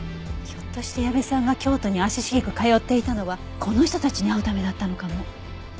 ひょっとして矢部さんが京都に足しげく通っていたのはこの人たちに会うためだったのかも。